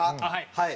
はい。